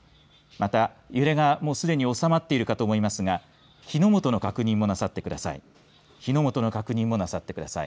また、揺れがもうすでに治まっているかと思いますが火の元の確認もなさってください。